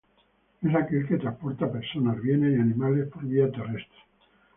Es aquel que transporta personas, bienes y animales por vía terrestre.